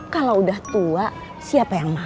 kalau udah tua siapa yang mau coba